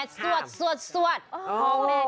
ตบมือให้แน่สวด